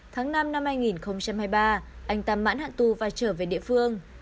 tháng năm năm hai nghìn hai mươi ba anh ta mãn hạn tù và trở về địa phương